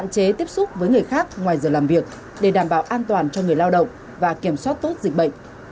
chế tiếp xúc với người khác ngoài giờ làm việc để đảm bảo an toàn cho người lao động và kiểm soát tốt dịch bệnh